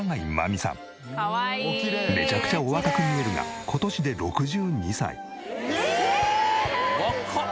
めちゃくちゃお若く見えるが今年で６２歳。ええーっ！